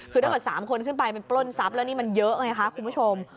คือถ้าเกิด๓คนขึ้นไปมันปล้นทรัพย์แล้วนี่มันเยอะไงคะคุณผู้ชม